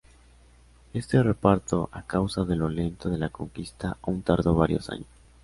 Este reparto, a causa de lo lento de la conquista, aún tardó varios años.